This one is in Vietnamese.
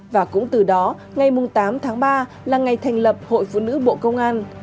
và cũng từ đó ngày tám tháng ba là ngày thành lập hội phụ nữ bộ công an